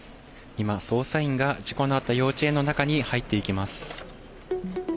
今、捜査員が事故のあった幼稚園の中に入っていきます。